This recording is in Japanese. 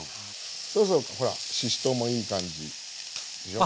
そろそろほらししとうもいい感じでしょ